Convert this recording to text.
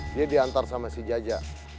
dia diantar sama si jaja